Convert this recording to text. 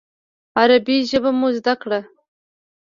عربي ژبه مو زده کړه.